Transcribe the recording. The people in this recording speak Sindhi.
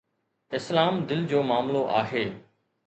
اسلام دل جو معاملو آهي.